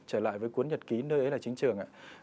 trở lại với cuốn nhật ký nơi ấy là chính trường